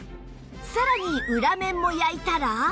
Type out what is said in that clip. さらに裏面も焼いたら